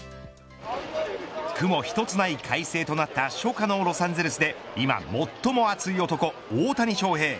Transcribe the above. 雲一つない快晴となった初夏のロサンゼルスで今、最も熱い男、大谷翔平。